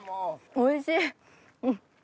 おいしい！